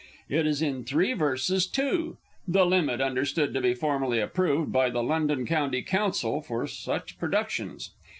It is in three verses, too the limit understood to be formally approved by the London County Council for such productions.